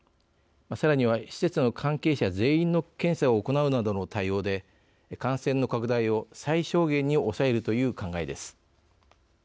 さらには、施設の関係者全員の検査を行うなどの対応で感染の拡大を最小限に抑えるという考えです。